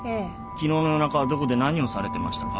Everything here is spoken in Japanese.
昨日の夜中どこで何をされてましたか？